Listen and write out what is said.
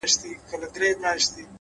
اخلاص د اړیکو ارزښت زیاتوي؛